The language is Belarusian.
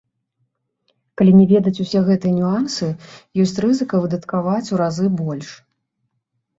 Калі не ведаць усе гэтыя нюансы, ёсць рызыка выдаткаваць у разы больш.